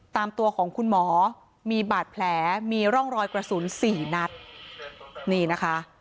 ตามตัวของคุณหมอมีบาดแผลมีร่องรอยกระสุนสี่นัดนี่นะคะ